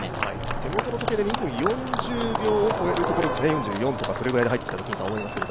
手元の時計で２分４０秒を超えるところですね、４４とかそれぐらいで入ってきたと思います。